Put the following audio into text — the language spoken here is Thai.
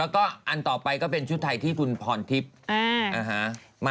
แล้วก็อันต่อไปก็เป็นชุดไทยที่คุณพรทิพย์